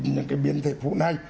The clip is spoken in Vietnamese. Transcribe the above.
những cái biến thể phụ này